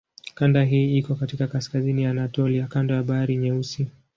Kanda hii iko katika kaskazini ya Anatolia kando la Bahari Nyeusi.